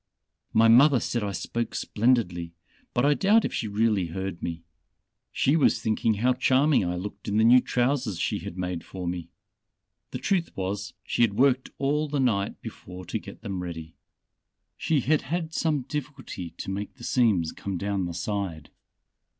My mother said I spoke splendidly, but I doubt if she really heard me. She was thinking how charming I looked in the new trousers she had made for me. The truth was, she had worked all the night before to get them ready. She had had some difficulty to make the seams come down the side.